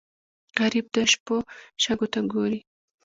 غریب د شپو شګو ته ګوري